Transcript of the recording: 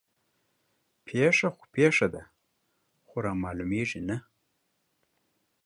پيښه خو پيښه ده خو رامعلومېږي نه